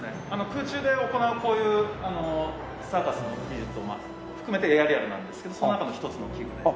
空中で行うこういうサーカスの技術を含めてエアリアルなんですけどその中の一つの器具で。